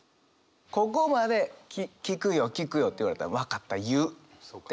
ここまで「聞くよ聞くよ」って言われたら分かった言うって。